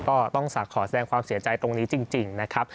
ก็ต้องขอแสดงความเสียใจตรงนี้จริงนะครับ